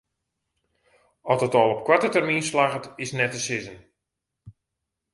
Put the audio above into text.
Oft dat al op koarte termyn slagget is net te sizzen.